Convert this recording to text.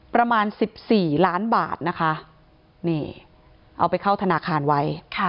ประมาณสิบสี่ล้านบาทนะคะนี่เอาไปเข้าธนาคารไว้